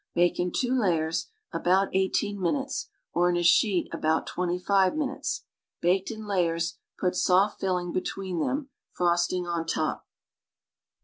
Bake in two layers about eighteen minutes, or in a sheet about twenty five minutes. Baked in la.yers, put soft filling between them, frosting on top.